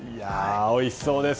おいしそうです。